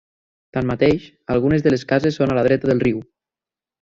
Tanmateix, algunes de les cases són a la dreta del riu.